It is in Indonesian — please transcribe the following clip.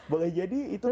boleh jadi itu kan